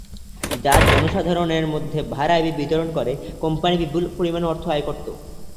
যা জনসাধারণের মধ্যে ভাড়ায় বিতরণ করে কোম্পানী বিপুল পরিমাণ অর্থ আয় করত।